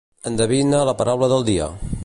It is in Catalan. endevina la paraula del dia